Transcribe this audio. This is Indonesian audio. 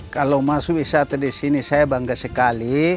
kalau masuk wisata di sini saya bangga sekali